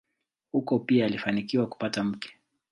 Huko pia alifanikiwa kupata mke.